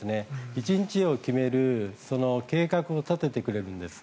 １日を決める計画を立ててくれるんです。